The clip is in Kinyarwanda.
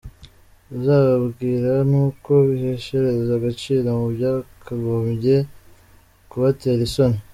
Uzababwirwa n’uko biheshereza agaciro mu byakagombye kubatera isoni!